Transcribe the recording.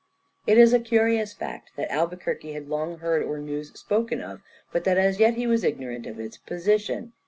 It is a curious fact that Albuquerque had long heard Ormuz spoken of, but that as yet he was ignorant of its position.